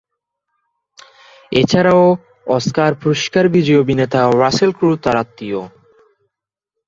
এছাড়াও, অস্কার পুরস্কার বিজয়ী অভিনেতা রাসেল ক্রো তার আত্মীয়।